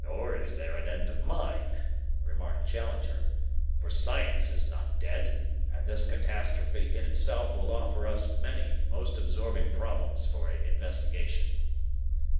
"Nor is there an end of mine," remarked Challenger, "for science is not dead, and this catastrophe in itself will offer us many most absorbing problems for investigation."